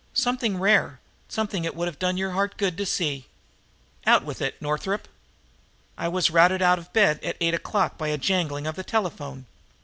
"Something rare something it would have done your heart good to see!" "Out with it, Northup." "I was routed out of bed at eight by a jangling of the telephone.